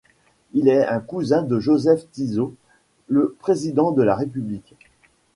Il était un cousin de Jozef Tiso, le président de la République.